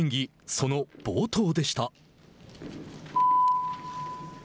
その冒頭でした。